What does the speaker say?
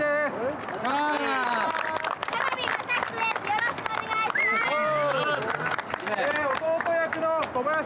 よろしくお願いします。